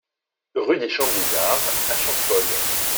Rue des Champs Brizards à Champhol